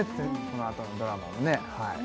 このあとのドラマもね